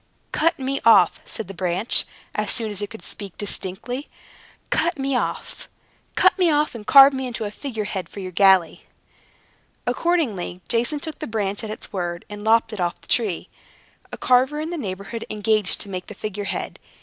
"Cut me off!" said the branch, as soon as it could speak distinctly; "cut me off! cut me off! and carve me into a figure head for your galley." Accordingly, Jason took the branch at its word, and lopped it off the tree. A carver in the neighborhood engaged to make the figurehead.